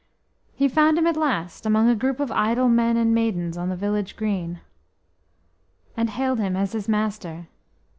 He found him at last among a group of idle men and maidens on the village green, and hailed him as his master.